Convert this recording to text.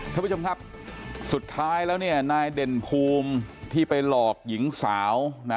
ท่านผู้ชมครับสุดท้ายแล้วเนี่ยนายเด่นภูมิที่ไปหลอกหญิงสาวนะ